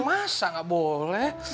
masa gak boleh